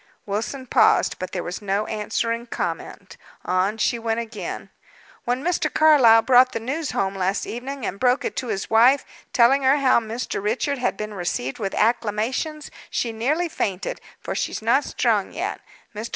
Wilson paused, but there was no answering comment. On she went again. "When Mr. Carlyle brought the news home last evening, and broke it to his wife, telling her how Mr. Richard had been received with acclamations, she nearly fainted, for she's not strong yet. Mr.